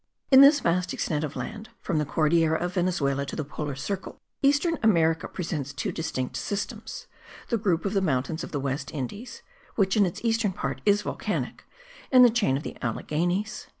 In this vast extent of land, from the Cordillera of Venezuela to the polar circle, eastern America presents two distinct systems, the group of the mountains of the West Indies (which in its eastern part is volcanic) and the chain of the Alleghenies.